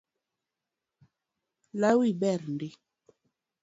Lawi ber ndi